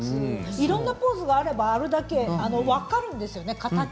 いろんなポーズがあればあるだけ形が分かるんですよね。